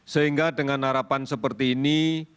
sehingga dengan harapan seperti ini